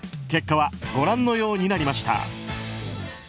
結果はご覧のようになりました。